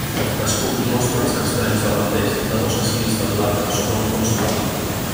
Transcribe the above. L'escut mostra els extrems davanters de dos esquís de plata sobre un fons blau.